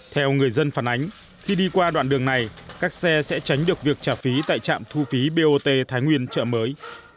theo người dân phản ánh khi đi qua đoạn đường này các xe sẽ tránh được việc trả phí tại trạm thu phí bot thái nguyên chợ mới